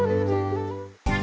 terima kasih pak hendrik